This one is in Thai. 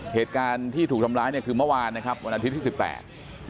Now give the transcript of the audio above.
เหตุการณ์ที่ถูกทำร้ายเนี่ยคือเมื่อวานนะครับวันอาทิตย์ที่สิบแปด